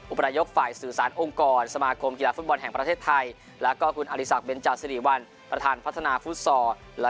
ประยกฝ่ายสื่อสารองค์กรสมาคมกีฬาฟุตบอลแห่งประเทศไทยแล้วก็คุณอริสักเบนจาสิริวัลประธานพัฒนาฟุตซอล